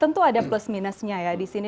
tentu ada plus minusnya ya di sini